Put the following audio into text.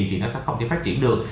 thì nó sẽ không thể phát triển được